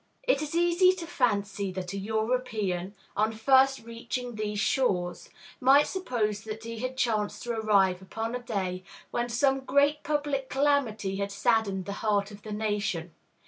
It is easy to fancy that a European, on first reaching these shores, might suppose that he had chanced to arrive upon a day when some great public calamity had saddened the heart of the nation.